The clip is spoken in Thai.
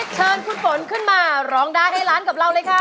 เชิญคุณฝนขึ้นมาร้องได้ให้ล้านกับเราเลยค่ะ